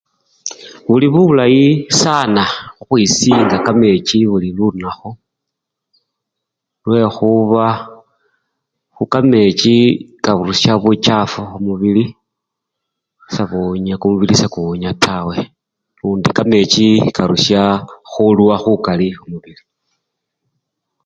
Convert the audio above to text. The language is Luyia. Buli bulayi sana khukhwisinga kamechi buli lunakhu lwekhuba khu! kamechi karusha buchafu khumubili sebuwunya! kumubili sekuwunya taa lundi kamechi karusha khuluwa khukali khumbili.